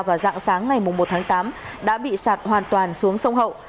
vào dạng sáng ngày một tháng tám đã bị sạt hoàn toàn xuống sông hậu